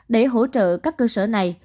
để hỗ trợ các cơ sở này